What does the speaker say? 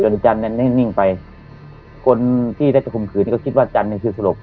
จนจันเนี้ยได้นิ่งไปคนที่ได้จะคุมขืนก็คิดว่าจันเนี้ยคือสลบ